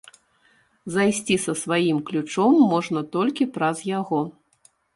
Зайсці са сваім ключом можна толькі праз яго.